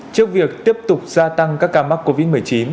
trước việc tiếp tục gia tăng các ca mắc covid một mươi chín